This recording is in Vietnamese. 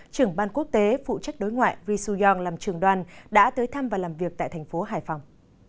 trưởng ban quốc tế phụ trách đối ngoại risu yong làm trường đoàn đã tới thăm và làm việc tại thành phố hải phòng